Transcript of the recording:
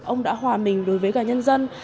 ông đã hòa mình đối với cả nhân dân